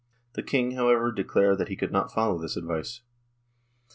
The King, however, declared that he could not follow this advice.